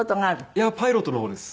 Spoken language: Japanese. いやパイロットの方です。